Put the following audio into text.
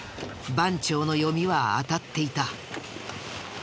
番長の読みは当たっていた。